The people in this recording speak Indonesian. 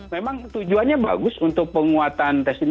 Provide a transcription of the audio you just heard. memang tujuannya bagus untuk penguatan testing